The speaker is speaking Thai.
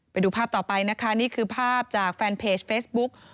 ไปดูภาพต่อไปนะคะนี่คือภาพจากแฟนเพจเฟซบุ๊ก